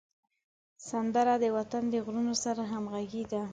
سندره د وطن د غرونو سره همږغي ده